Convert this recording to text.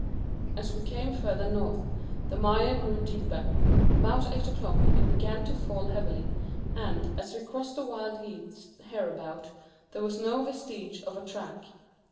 As we came further north the mire grew deeper. About eight o'clock it began to fall heavily, and, as we crossed the wild heaths hereabout, there was no vestige of a track.